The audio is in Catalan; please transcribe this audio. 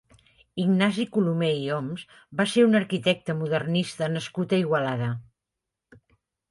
Ignasi Colomer i Oms va ser un arquitecte modernista nascut a Igualada.